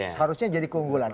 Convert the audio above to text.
seharusnya jadi keunggulan